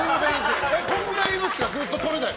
このぐらいのしかずっととれない。